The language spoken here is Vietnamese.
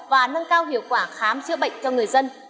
và nâng cao hiệu quả khám chữa bệnh cho người dân